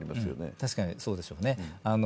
確かにそうでしょうね。